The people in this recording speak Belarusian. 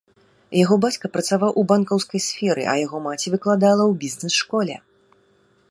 Яго бацька працаваў у банкаўскай сферы, а яго маці выкладала ў бізнес-школе.